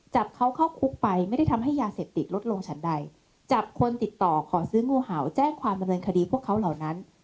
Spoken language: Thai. จับเขาเข้าคุกไปไม่ได้ทำให้ยาเสพติดลดลงฉันใดจับคนติดต่อขอซื้องูเห่าแจ้งความดำเนินคดีพวกเขาเหล่านั้น